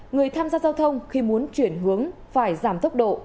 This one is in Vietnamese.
người tham gia giao thông khi muốn chuyển hướng phải giảm tốc độ